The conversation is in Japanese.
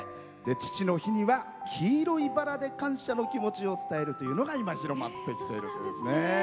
父の日には黄色いバラで感謝の気持ちを伝えるというのが今、広まってきているんですね。